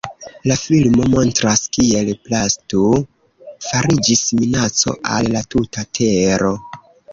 La filmo montras, kiel plasto fariĝis minaco al la tuta tero.